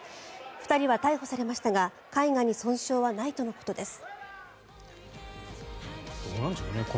２人は逮捕されましたが絵画に損傷はないとのことです。